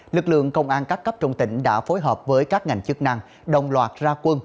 lực lượng công an các cấp trong tỉnh đã phối hợp với các ngành chức năng đồng loạt ra quân